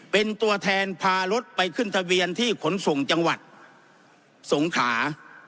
เป็นตัวแทนพารถไปขึ้นทะเบียนที่ขนส่งจังหวัดสงขา